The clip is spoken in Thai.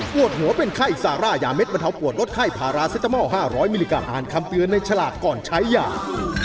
ปวดหัวเป็นไข้ซาร่ายาเด็ดบรรเทาปวดลดไข้พาราเซตามอล๕๐๐มิลลิกรัมอ่านคำเตือนในฉลากก่อนใช้ยา